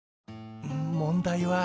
問題は。